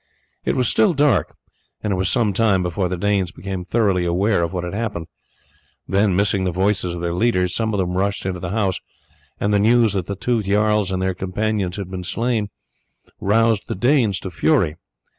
It was still quite dark, and it was some time before the Danes became thoroughly aware of what had happened; then missing the voices of their leaders, some of them rushed into the house, and the news that the two jarls and their companions had been slain roused them to fury.